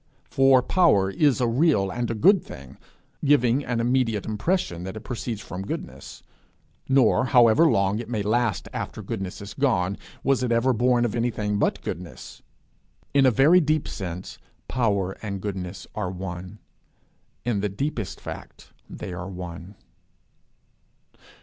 For power is a real and a good thing, giving an immediate impression that it proceeds from goodness. Nor, however long it may last after goodness is gone, was it ever born of anything but goodness. In a very deep sense, power and goodness are one. In the deepest fact they are one.